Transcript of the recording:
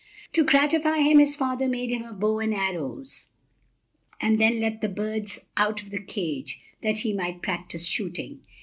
To gratify him, his father made him a bow and arrows and then let the birds out of the cage that he might practise shooting.